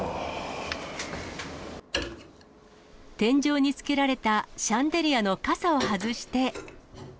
天井につけられたシャンデリアのかさを外して。